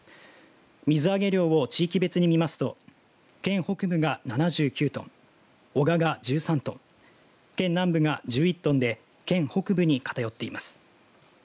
水揚げ量を地域別に見ますと県北部が７９トン男鹿が１３トン県南部が１１トンで県北部に偏っています。